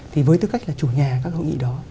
thì với tư cách là chủ nhà các hội nghị đó